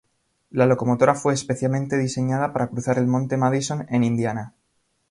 La locomotora fue específicamente diseñada para cruzar el Monte Madison en Indiana.